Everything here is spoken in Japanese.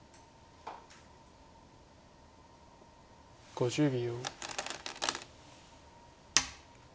５０秒。